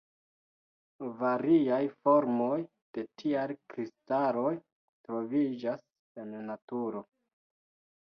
Variaj formoj de tiaj kristaloj troviĝas en naturo.